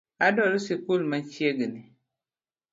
Adwaro sikul machiegni